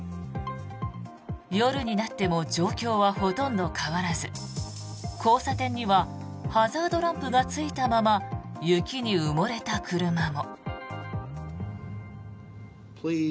夜になっても状況はほとんど変わらず交差点にはハザードランプがついたまま雪に埋もれた車も。